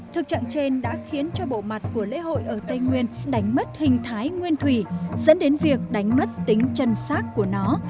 thực trạng trên đã khiến cho bộ mặt của lễ hội ở tây nguyên đánh mất hình thái nguyên thủy dẫn đến việc đánh mất tính chân sát của nó